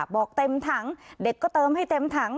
บอกเต็มถังเด็กก็เติมให้เต็มถัง